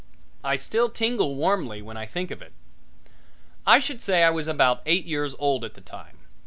I still tingle warmly when I think of it. I should say I was about eight years old at the time.